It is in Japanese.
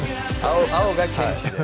青がケンチで。